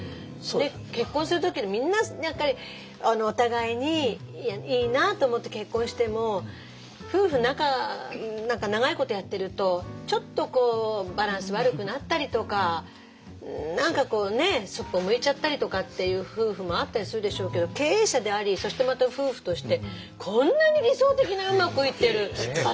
結婚する時にみんなお互いにいいなと思って結婚しても夫婦仲何か長いことやっているとちょっとバランス悪くなったりとか何かこうねそっぽ向いちゃったりとかっていう夫婦もあったりするでしょうけど経営者でありそしてまた夫婦としてこんなに理想的なうまくいってるパターンってないですよね。